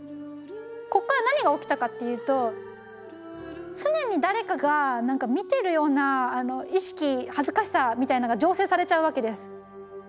こっから何が起きたかっていうと常に誰かが見てるような意識恥ずかしさみたいなのが醸成されちゃうわけです。